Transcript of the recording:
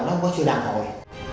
nó không có sự đàn hồi